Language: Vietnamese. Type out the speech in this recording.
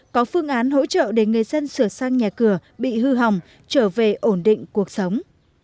có phương án hỗ trợ để người dân sửa sang nhà cửa bị hư hỏng trở về ổn định cuộc sống